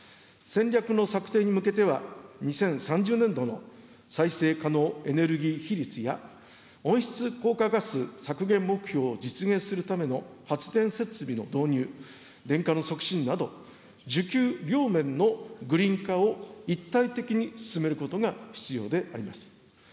戦略の策定に向けては、２０３０年度の再生可能エネルギー比率や、温室効果ガス削減目標を実現するための発電設備の導入、電化の促進など、需給両面のグリーン化を一体的に進めることが必要であります。